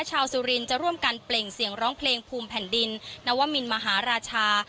สุรินทร์จะร่วมกันเปล่งเสียงร้องเพลงภูมิแผ่นดินนวมินมหาราชา